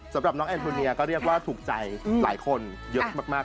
สำหรับน้องแอนโทเนียก็เรียกว่าถูกใจหลายคนเยอะมาก